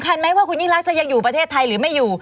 ทันไหมว่าคุณยิ่งรักจะยังอยู่ประเทศไทยหรือไม่อยู่